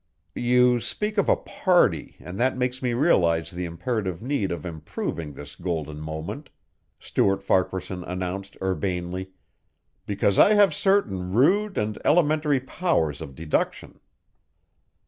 "You speak of a party, and that makes me realize the imperative need of improving this golden moment," Stuart Farquaharson announced urbanely, "because I have certain rude and elementary powers of deduction."